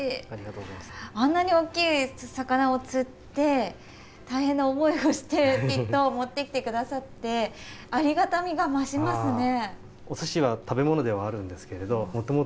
あんなに大きい魚を釣って大変な思いをしてきっと持ってきてくださってありがたみが増しますね。